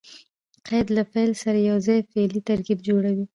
قید له فعل سره یوځای فعلي ترکیب جوړوي.